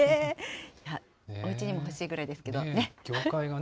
おうちにも欲しいぐらいですけれどもね。